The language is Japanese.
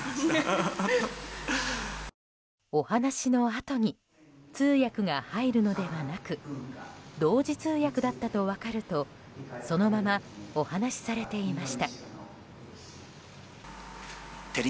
お話のあとに通訳が入るのではなく同時通訳だったと分かるとそのままお話しされていました。